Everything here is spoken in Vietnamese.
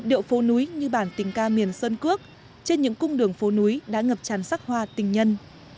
điệu phố núi như bản tình ca miền sơn cước trên những cung đường phố núi đã ngập tràn sắc hoa tình nhân